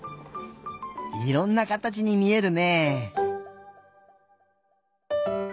いろんなかたちにみえるねえ。